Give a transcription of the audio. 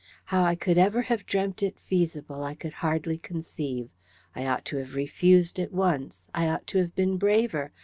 How I could ever have dreamt it feasible I could hardly conceive. I ought to have refused at once. I ought to have been braver.